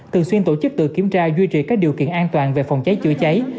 thường xuyên tổ chức tự kiểm tra duy trì các điều kiện an toàn về phòng cháy chữa cháy